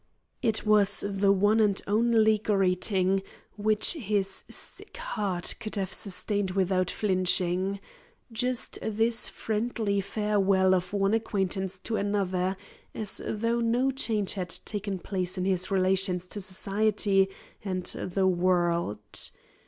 It was the one and only greeting which his sick heart could have sustained without flinching. Just this friendly farewell of one acquaintance to another, as though no change had taken place in his relations to society and the world.